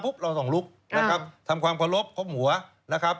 เราต้องลุกนะครับทำความเคารพครบหัวนะครับ